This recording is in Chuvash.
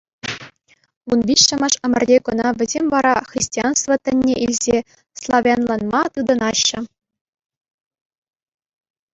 Вунвиҫҫӗмӗш ӗмӗрте кӑна вӗсем вара, христианство тӗнне илсе, славянланма тытӑнаҫҫӗ.